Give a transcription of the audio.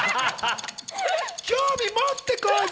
興味持って、浩次。